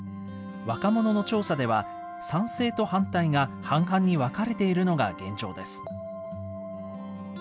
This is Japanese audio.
若者の調査では、賛成と反対が半々に分かれているのが現状です。